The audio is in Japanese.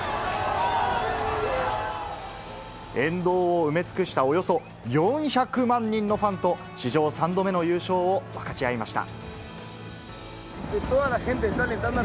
沿道を埋め尽くしたおよそ４００万人のファンと、史上３度目の優勝を分かち合いました。